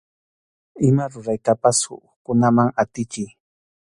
Ima ruraytapas hukkunaman atichiy.